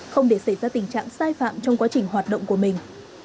không để xảy ra tình trạng sai phạm trong quá trình hoạt động của mình